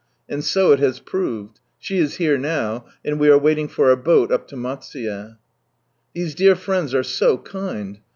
And so it has proved. She is here now, and we are wailing for our boat up to Matsuye, These dear friends are so kind.